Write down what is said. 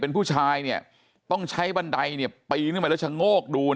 เป็นผู้ชายเนี่ยต้องใช้บันไดเนี่ยปีนขึ้นไปแล้วชะโงกดู